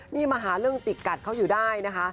นี่มาหาเรื่องจิกกัดเขาอยู่ได้นะคะ